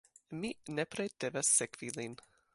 Mi nepre devas sekvi lin.